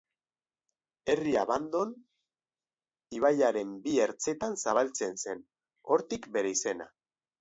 Herria Bandon ibaiaren bi ertzetan zabaltzen zen, hortik bere izena.